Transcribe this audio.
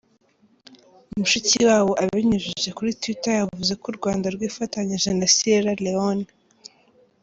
Mushikiwabo, abinyujije kuri Twitter yavuze ko u Rwanda rwifatanyije na Sierra Leone.